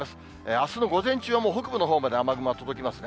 あすの午前中はもう北部のほうまで雨雲が届きますね。